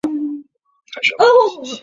同年加入中国社会主义青年团。